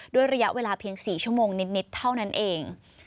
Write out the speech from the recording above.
ด้วยระยะเวลาเพียง๔ชั่วโมงนิดเท่านั้นเอง